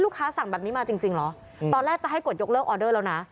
ลูกค้าสั่งแบบนี้มาจริงจริงเหรออืมตอนแรกจะให้กดยกเลิกออเดอร์แล้วน่ะ